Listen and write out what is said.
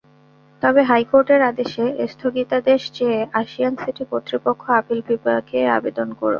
তবে হাইকোর্টের আদেশে স্থগিতাদেশ চেয়ে আশিয়ান সিটি কর্তৃপক্ষ আপিল বিভাগে আবেদন করে।